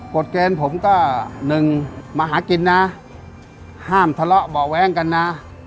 กฎเกณฑ์ผมก็หนึ่งมาหากินนะห้ามทะเลาะเบาะแว้งกันนะ